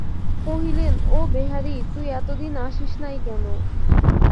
কহিলেন, ও বেহারি, তুই এতদিন আসিস নাই কেন।